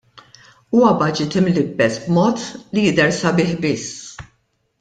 Huwa Baġit imlibbes b'mod li jidher sabiħ biss.